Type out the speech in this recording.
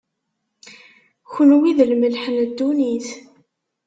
kenwi, d lmelḥ n ddunit.